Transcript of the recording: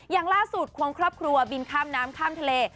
อย่างล่าสุดควงครอบครัวบินข้ามน้ำข้ามทะเล